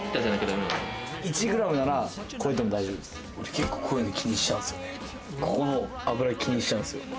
結構こういうの気にしちゃうんですよね。